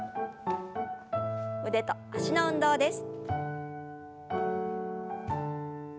腕と脚の運動です。